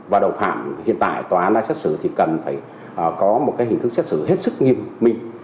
và đồng phạm hiện tại tòa án đã xác xử thì cần phải có một hình thức xác xử hết sức nghiêm minh